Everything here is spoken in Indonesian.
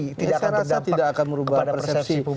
saya rasa tidak akan merubah persepsi publik